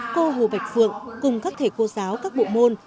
cô hồ bạch phượng cùng các thể cô giáo các bộ môn